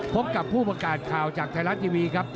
พบกับผู้ประกาศข่าวจากไทยรัฐทีวีครับ